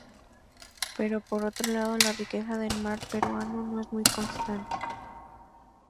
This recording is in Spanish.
Pero por otro lado, la riqueza del mar peruano no es muy constante.